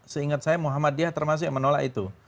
seingat saya muhammadiyah termasuk yang menolak itu